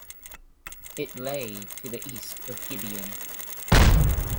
It lay to the east of Gibeon.